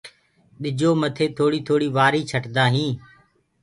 ٻجو مٿي ٿوڙي ٿوڙي وآري ڇٽدآ هين